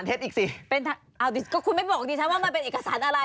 อีกสิก็คุณไม่บอกดิฉันว่ามันเป็นเอกสารอะไร